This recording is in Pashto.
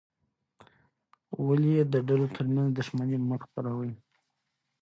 ولې د ډلو ترمنځ دښمني مه خپروې؟